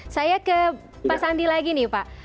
saya ke pak sandi lagi nih pak